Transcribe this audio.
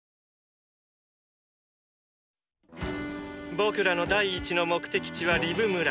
僕らの第一の目的地はリブ村。